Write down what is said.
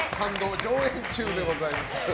上演中でございます。